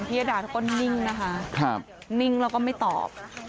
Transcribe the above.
เพียรดาก็นิ่งนิ่งและมันไม่ตอบ